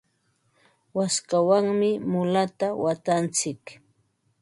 waskawanmi mulata watantsik.